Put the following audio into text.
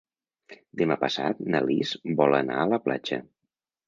Demà passat na Lis vol anar a la platja.